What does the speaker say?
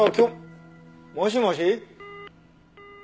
もしもし？